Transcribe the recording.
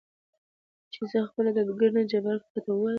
چې زه خپله ډاډګرنه جبار کاکا ته ووايم .